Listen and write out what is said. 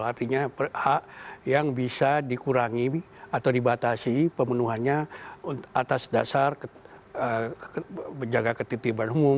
artinya hak yang bisa dikurangi atau dibatasi pemenuhannya atas dasar menjaga ketitiban umum